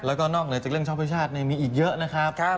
แล้วก็นอกเลยจากเรื่องของช็อปช่วยชาติมีอีกเยอะนะครับ